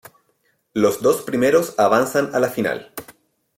Los dos primeros avanzan a la final.